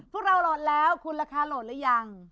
พวกเราโหลดแล้วคุณราคาโหลดหรือยัง